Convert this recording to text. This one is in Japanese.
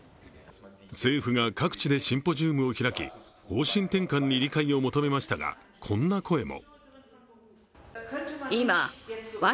政府が各地でシンポジウムを開き方針転換に理解を求めましたがこんな声も。